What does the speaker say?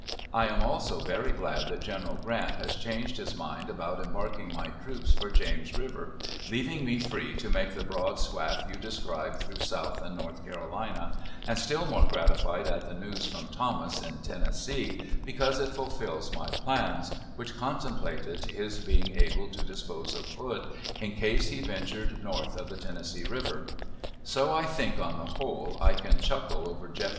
I am also very glad that General Grant has changed his mind about embarking my troops for James River, leaving me free to make the broad swath you describe through South and North Carolina; and still more gratified at the news from Thomas, in Tennessee, because it fulfills my plans, which contemplated his being able to dispose of Hood, in case he ventured north of the Tennessee River. So, I think, on the whole, I can chuckle over Jeff.